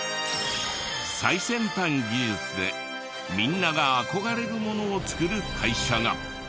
最先端技術でみんなが憧れるものを作る会社が。